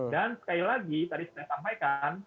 dan sekali lagi tadi sudah saya sampaikan